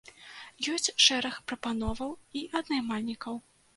Ёсць шэраг прапановаў і ад наймальнікаў.